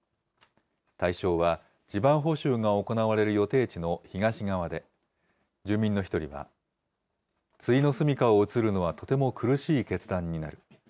対象は、地盤補修が行われる予定地の東側で、住民の１人は、ついの住みかを移るのはとても苦しい決断になる。